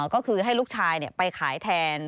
ก็คือให้ลูกชายไปขายแทน